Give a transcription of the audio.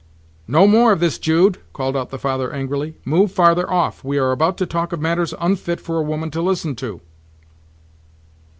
"No more of this, Jude," called out the father angrily. "Move farther off; we are about to talk of matters unfit for a woman to listen to."